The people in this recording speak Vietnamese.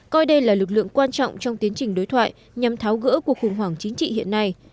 coi đây là lực lượng quan trọng trong tiến trình đối thoại nhằm tháo gỡ cuộc khủng hoảng chính trị hiện nay